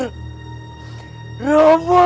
aku akan mati